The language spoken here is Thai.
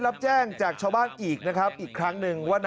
แต่ตอนนี้ติดต่อน้องไม่ได้